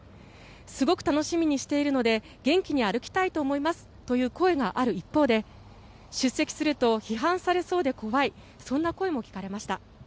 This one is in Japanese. すごく楽しみにしているので元気に歩きたいと思いますという声がある一方で出席すると批判されそうで怖いそんな声も聞かれました。